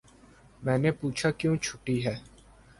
میں نے پوچھا کیوں چھٹی ہے